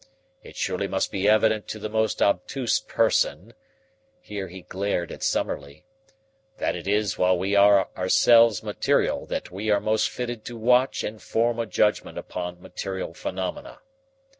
It surely must be evident to the most obtuse person" (here he glared a Summerlee) "that it is while we are ourselves material that we are most fitted to watch and form a judgment upon material phenomena.